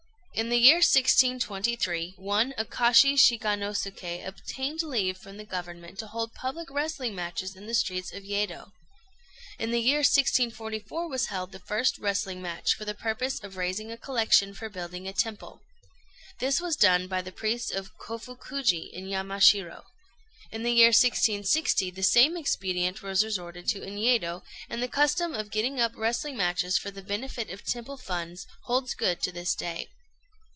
In the year 1623 one Akashi Shiganosuké obtained leave from the Government to hold public wrestling matches in the streets of Yedo. In the year 1644 was held the first wrestling match for the purpose of raising a collection for building a temple. This was done by the priests of Kofukuji, in Yamashiro. In the year 1660 the same expedient was resorted to in Yedo, and the custom of getting up wrestling matches for the benefit of temple funds holds good to this day.